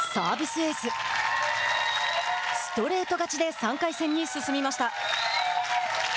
ストレート勝ちで３回戦に進みました。